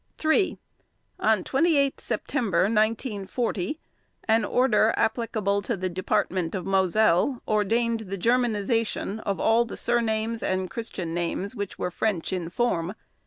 3. On the 28 September 1940, an order applicable to the Department of Moselle ordained the Germanization of all the surnames and Christian names which were French in form.